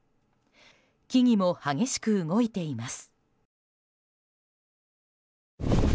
木々も激しく動いています。